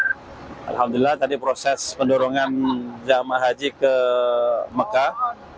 alhamdulillah tadi proses pendorongan jemaah haji ke mekah